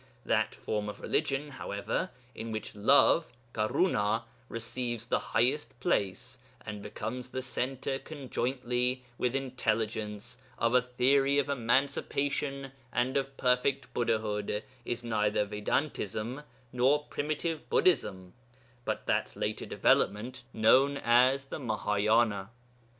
That form of religion, however, in which love (karunâ) receives the highest place, and becomes the centre conjointly with intelligence of a theory of emancipation and of perfect Buddhahood, is neither Vedantism nor primitive Buddhism, but that later development known as the Mahâyâna.